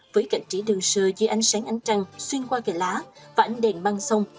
với cảnh trí đơn sơ dưới ánh sáng ánh trăng xuyên qua kẻ lá và ánh đèn mang sông